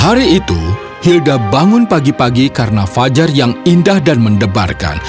hari itu hilda bangun pagi pagi karena fajar yang indah dan mendebarkan